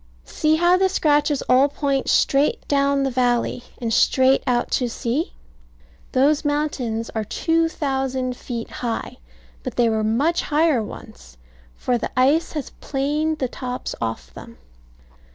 See how the scratches all point straight down the valley, and straight out to sea. Those mountains are 2000 feet high: but they were much higher once; for the ice has planed the tops off them.